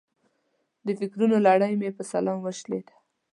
د فکرونو لړۍ مې په سلام وشلېده.